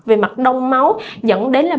về mặt đông máu dẫn đến bệnh nhân